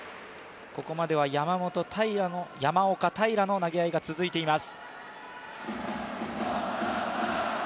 ここまでは山岡、平良の投げ合いが続いています。